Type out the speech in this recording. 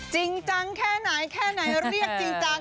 จริงจังแค่ไหนแค่ไหนเรียกจริงจัง